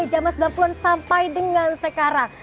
jaman sembilan puluh an sampai dengan sekarang